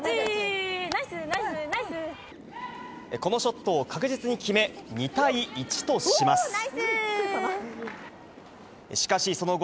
このショットを確実に決め、２対１とします。